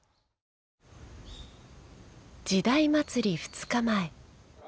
「時代祭」２日前。